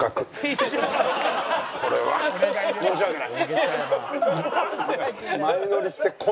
これは申し訳ない。